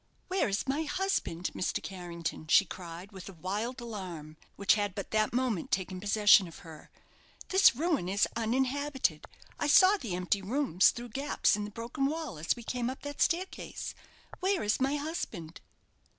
"Where is my husband, Mr. Carrington?" she cried, with a wild alarm, which had but that moment taken possession of her. "This ruin is uninhabited. I saw the empty rooms, through gaps in the broken wall as we came up that staircase. Where is my husband?"